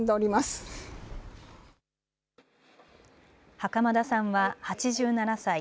袴田さんは８７歳。